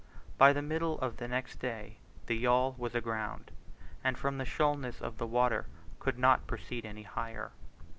By the middle of the next day the yawl was aground, and from the shoalness of the water could not proceed any higher.